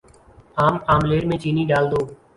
عام آملیٹ میں چینی ڈال دو